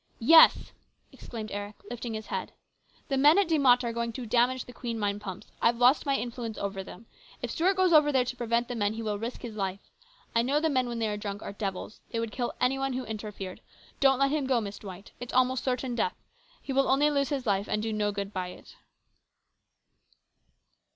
" Yes !" exclaimed Eric, lifting his head. " The men at De Mott are going to damage the Queen mine pumps. I've lost my influence over them. If Stuart goes over there to prevent the men, he will risk his life. I know the men when they are drunk are devils. They would kill any one who interfered. Don't let him go, Miss Dwight. It's almost certain death. He will only lose his life and do no good by it."